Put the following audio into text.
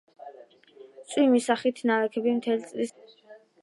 წვიმის სახით ნალექები მთელი წლის განმავლობაშია.